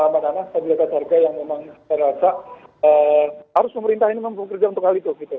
pak nama pabila kasarga yang memang terasa harus pemerintah ini memang bekerja untuk hal itu